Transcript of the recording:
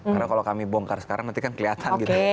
karena kalau kami bongkar sekarang nanti kan kelihatan gitu